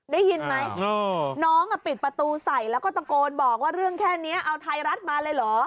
ได้ยินไหมน้องปิดประตูใส่แล้วก็ตะโกนบอกว่าเรื่องแค่นี้เอาไทยรัฐมาเลยเหรอ